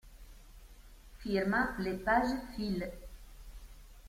Firma Le Page Fils.